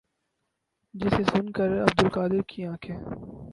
جسے سن کر عبدالقادر کی انکھیں